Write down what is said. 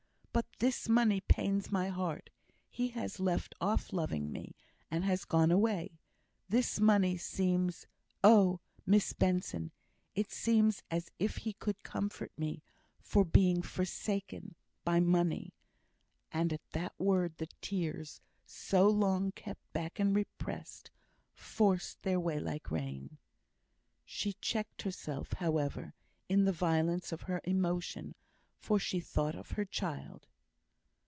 But this money pains my heart. He has left off loving me, and has gone away. This money seems oh, Miss Benson it seems as if he could comfort me, for being forsaken, by money." And at that word the tears, so long kept back and repressed, forced their way like rain. She checked herself, however, in the violence of her emotion, for she thought of her child.